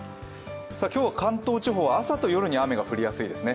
今日は関東地方、朝と夜に雨が降りやすいですね。